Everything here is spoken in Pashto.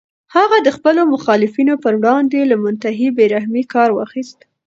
هغه د خپلو مخالفینو پر وړاندې له منتهی بې رحمۍ کار واخیست.